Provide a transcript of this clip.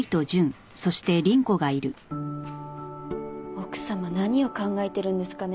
奥様何を考えてるんですかね。